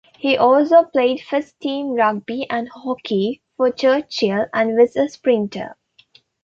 He also played first team rugby and hockey for Churchill and was a sprinter.